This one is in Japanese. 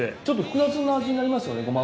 ちょっと複雑な味になりますよね